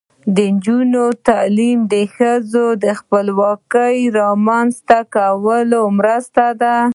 د نجونو تعلیم د ښځو خپلواکۍ رامنځته کولو مرسته ده.